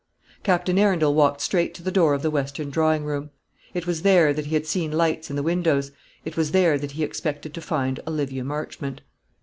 Captain Arundel walked straight to the door of the western drawing room. It was there that he had seen lights in the windows; it was there that he expected to find Olivia Marchmont.